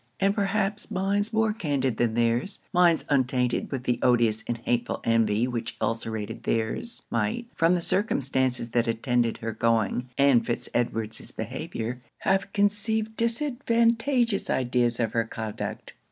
And perhaps minds more candid than their's minds untainted with the odious and hateful envy which ulcerated their's, might, from the circumstances that attended her going and Fitz Edward's behaviour, have conceived disadvantageous ideas of her conduct.